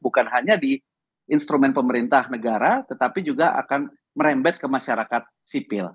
bukan hanya di instrumen pemerintah negara tetapi juga akan merembet ke masyarakat sipil